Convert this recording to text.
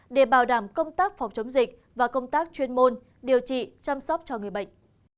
để bảo đảm công tác phòng chống dịch và công tác chuyên môn điều trị chăm sóc cho người bệnh